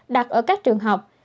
đặt ở các trường học